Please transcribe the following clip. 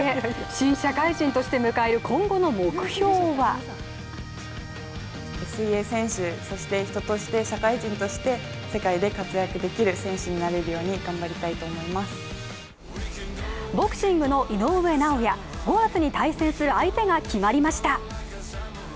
新社会人として迎える今後の目標はボクシングの井上尚弥、５月に対戦する相手が決まりました。